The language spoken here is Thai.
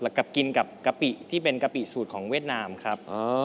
กับกินกับกะปิที่เป็นกะปิสูตรของเวียดนามครับ